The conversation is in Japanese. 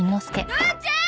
父ちゃん！